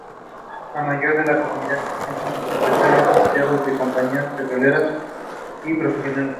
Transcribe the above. La mayoría de la comunidad india son empresarios, empleados de compañías petroleras y profesionales.